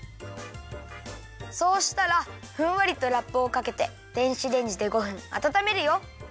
そうしたらふんわりとラップをかけて電子レンジで５分あたためるよ。